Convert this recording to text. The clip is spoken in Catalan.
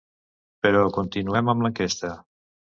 Però continuem amb l’enquesta.